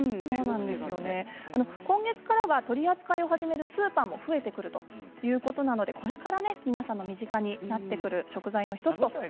今月からは取り扱いを始めるスーパーも増えてくるということなのでこれから皆さんの身近になってくる食材の１つと。